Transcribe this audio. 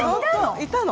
いたの。